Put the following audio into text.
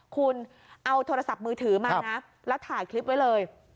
คุณเอาโทรศัพท์มือถือมานะแล้วถ่ายคลิปไว้เลย